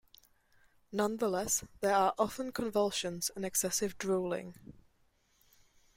Nonetheless, there are often convulsions and excessive drooling.